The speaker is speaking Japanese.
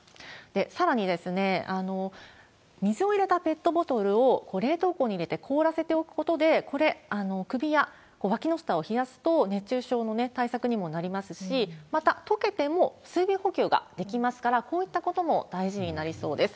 さらに、水を入れたペットボトルを冷凍庫に入れて凍らせておくことで、これ、首やわきの下を冷やすと、熱中症の対策にもなりますし、また、溶けても水分補給ができますから、こういったことも大事になりそうです。